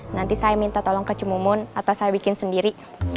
nanti saya minta tolong ke cimumun atau saya bikin sendiri